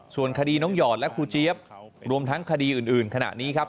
ส่วนคดีน้องหยอดและครูเจี๊ยบรวมทั้งคดีอื่นขณะนี้ครับ